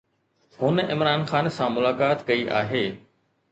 هن عمران خان سان ملاقات ڪئي آهي.